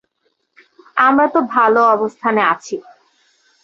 আমরা তো ভালো অবস্থানে আছি।